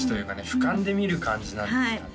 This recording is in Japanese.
俯瞰で見る感じなんですかね